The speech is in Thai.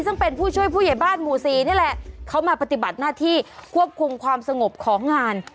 ซึ่งเป็นผู้ช่วยผู้ใหญ่บ้านหมู่สี่นี่แหละเขามาปฏิบัติหน้าที่ควบคุมความสงบของงาน